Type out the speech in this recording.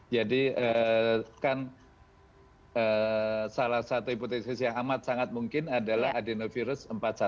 jadi kan salah satu hipotesis yang amat sangat mungkin adalah adenovirus empat puluh satu